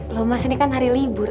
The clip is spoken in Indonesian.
loh mas ini kan hari libur